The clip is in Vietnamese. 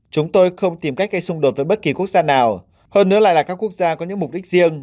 chúng tôi không tìm cách gây xung đột với bất kỳ quốc gia nào hơn nữa lại là các quốc gia có những mục đích riêng